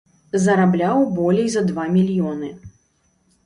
Зарабляў болей за два мільёны.